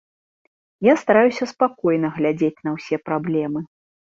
Я стараюся спакойна глядзець на ўсе праблемы.